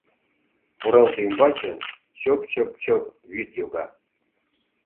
Оралте ӱмбачын чоп-чоп-чоп вӱд йога.